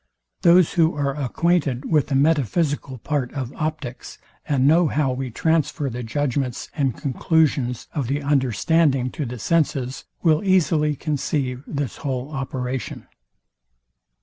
Those who are acquainted with the metaphysical part of optics and know how we transfer the judgments and conclusions of the understanding to the senses, will easily conceive this whole operation.